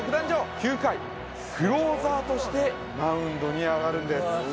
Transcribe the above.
９回クローザーとしてマウンドに上がるんです。